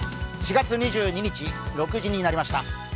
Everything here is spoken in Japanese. ４月２２日、６時になりました。